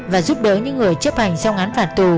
và giúp đỡ những người chấp hành xong án phạt tù